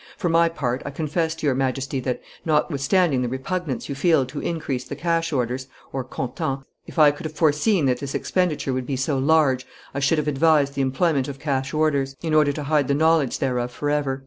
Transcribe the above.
For my part, I confess to your Majesty that, notwithstanding the repugnance you feel to increase the cash orders [comptants], if I could have foreseen that this expenditure would be so large, I should have advised the employment of cash orders, in order to hide the knowledge thereof forever."